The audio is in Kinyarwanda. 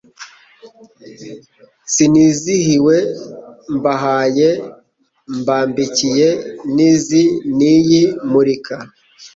Sinizihiwe mbahaye mbambikiye n'izi n'iyi murika,